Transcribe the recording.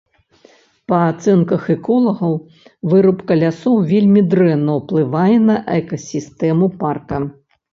Па ацэнках эколагаў, вырубка лясоў вельмі дрэнна ўплывае на экасістэму парка.